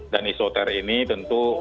dan isoter ini tentu